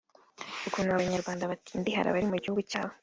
ukuntu abanyarwanda batindihara bari mu gihugu cyabo